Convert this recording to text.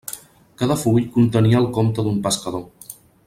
Cada full contenia el compte d'un pescador.